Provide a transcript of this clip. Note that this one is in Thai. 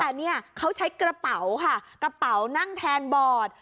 แต่เนี่ยเขาใช้กระเป๋าค่ะกระเป๋านั่งแทนบอร์ด